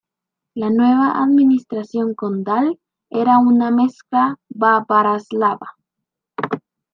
La nueva administración condal era una mezcla bávara-eslava.